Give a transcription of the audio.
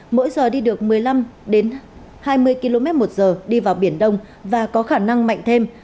mỗi giờ đi được một mươi năm hai mươi km một giờ đi vào biển đông và có khả năng mạnh thêm